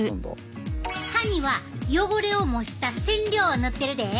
歯には汚れを模した染料を塗ってるで。